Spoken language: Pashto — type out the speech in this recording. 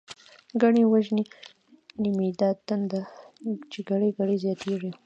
ګنی وژنی می دا تنده، چی ګړۍ ګړۍ زياتيږی